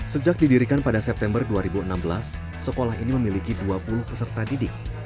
sejak didirikan pada september dua ribu enam belas sekolah ini memiliki dua puluh peserta didik